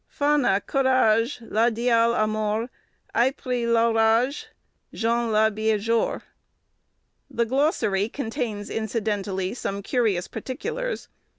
"Fanne, coraige, Le Diale á mor, Aipre l'oraige, J'on le beá jor." The glossary contains, incidentally, some curious particulars.